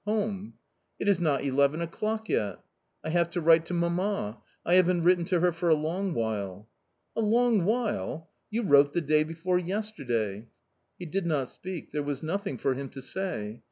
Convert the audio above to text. Home/' " It is not eleven o'clock yet." " I have to write to mamma ; I haven't written to her for a long while." " A long while ! you wrote the day before yesterday." He did not speak ; there was nothing for him to say.